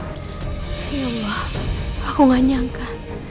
ya allah aku gak nyangka